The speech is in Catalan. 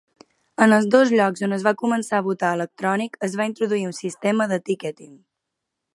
En els dos llocs on es va començar a votar electrònic es va introduir un sistema de "Ticketing".